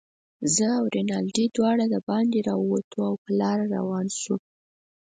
زه او رینالډي دواړه دباندې راووتو، او په لاره روان شوو.